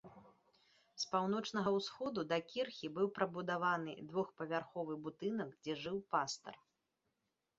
З паўночнага ўсходу да кірхі быў прыбудаваны двухпавярховы будынак, дзе жыў пастар.